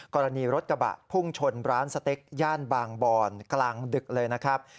กรณีรถกระบะพุ่งชนร้านสเต็กย่านบางบอนกลางดึกเลยนะครับ